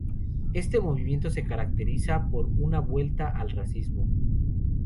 Este movimiento se caracteriza por una vuelta al realismo.